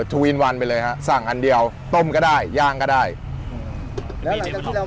ทวีนวันไปเลยฮะสั่งอันเดียวต้มก็ได้ย่างก็ได้แล้วหลังจากที่เรา